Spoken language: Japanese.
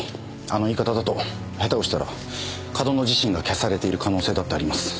あの言い方だと下手をしたら上遠野自身が消されている可能性だってあります。